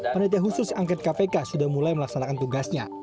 panitia khusus angket kpk sudah mulai melaksanakan tugasnya